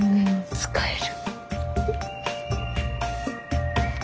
使える。